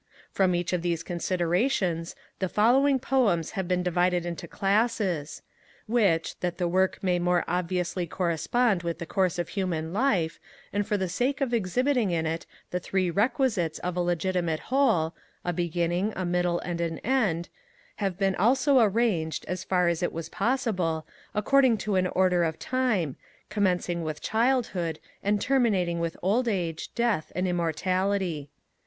From each of these considerations, the following Poems have been divided into classes; which, that the work may more obviously correspond with the course of human life, and for the sake of exhibiting in it the three requisites of a legitimate whole, a beginning, a middle, and an end, have been also arranged, as far as it was possible, according to an order of time, commencing with Childhood, and terminating with Old Age, Death, and Immortality.